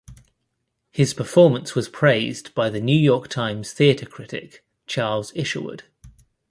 His performance was praised by "The New York Times" theatre critic Charles Isherwood.